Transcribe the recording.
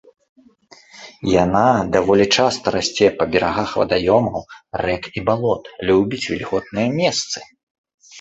Яна даволі часта расце па берагах вадаёмаў, рэк і балот, любіць вільготныя месцы.